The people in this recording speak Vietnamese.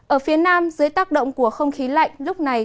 ở phía nam dưới tác động của không khí lạnh lúc này